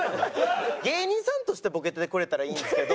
芸人さんとしてボケてくれたらいいんですけど。